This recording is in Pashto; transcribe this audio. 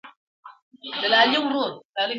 ما پر اوو دنياوو وسپارئ، خبر نه وم خو.